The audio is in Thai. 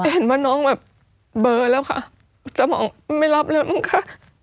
ฮันเลยเห็นว่าน้องเหมือนเบลเล่าค่ะสมองไม่รับแล้วหรือเปล่าคะ